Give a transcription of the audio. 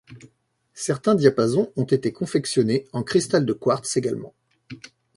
Certains diapasons ont été confectionnés en cristal de quartz également.